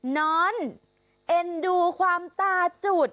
นอนเอ็นดูความตาจุด